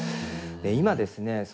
今ですね